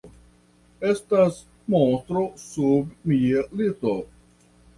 Estas monstro sub mia lito.